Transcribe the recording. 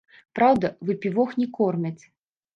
Праўда, выпівох не кормяць.